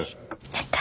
やった。